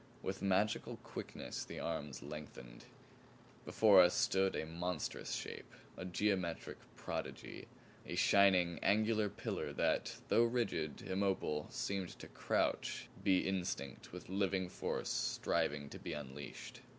With magical quickness the arms lengthened. Before us stood a monstrous shape; a geometric prodigy. A shining angled pillar that, though rigid, immobile, seemed to crouch, be instinct with living force striving to be unleashed.